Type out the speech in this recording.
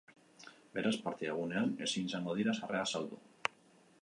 Beraz, partida egunean ezin izango dira sarrerak saldu.